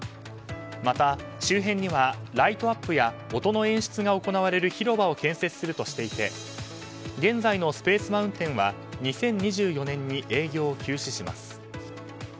また、周辺にはライトアップや音の演出が行われる広場を建設するとしていて現在のスペース・マウンテンは２０２４年に営業を休止します。